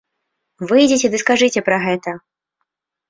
Выйдзеце ды скажыце пра гэта.